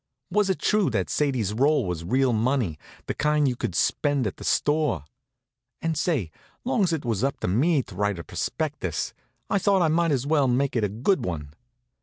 Was it true that Sadie's roll was real money, the kind you could spend at the store? And say, long's it was up to me to write her prospectus, I thought I might as well make it a good one.